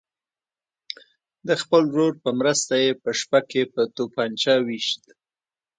د خپل ورور په مرسته یې په شپه کې په توپنچه ویشت.